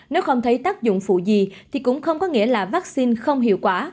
nếu không thấy tác dụng phụ gì thì cũng không có nghĩa là vaccine không hiệu quả